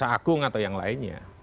agung atau yang lainnya